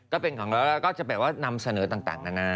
ก็เป็นของนะคะแล้วก็จะแปลว่านำเสนอต่าง